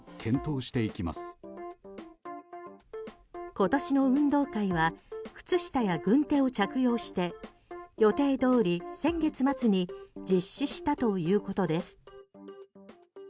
今年の運動会は靴下や軍手を着用して予定どおり先月末に実施したということです。